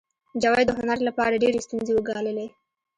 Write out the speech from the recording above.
جاوید د هنر لپاره ډېرې ستونزې وګاللې